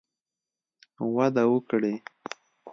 وده وکړي